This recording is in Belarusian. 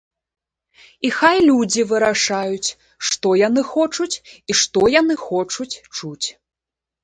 І хай людзі вырашаюць, што яны хочуць, і што яны хочуць чуць.